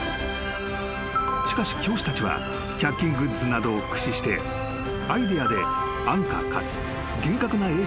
［しかし教師たちは１００均グッズなどを駆使してアイデアで安価かつ厳格な衛生管理に挑んだ］